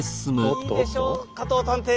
いいでしょう加藤探偵。